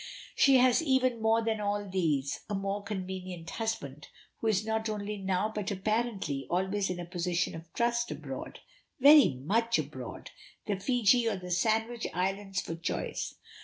She has even more than all these a most convenient husband, who is not only now but apparently always in a position of trust abroad. Very much abroad. The Fiji, or the Sandwich Islands for choice.